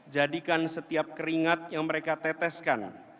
jadikan setiap keringat yang mereka teteskan